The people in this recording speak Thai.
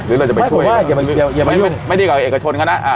หรือเราจะไปช่วยไม่ดีกว่าเอกชนเขานะ